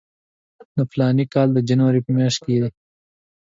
د فلاني کال د جنوري په میاشت کې.